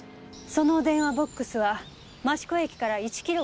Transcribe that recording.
その電話ボックスは益子駅から１キロ南にある。